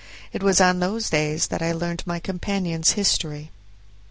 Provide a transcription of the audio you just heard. It was on these days that I learned my companion's history.